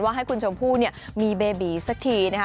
ให้คุณชมพู่มีเบบีสักทีนะคะ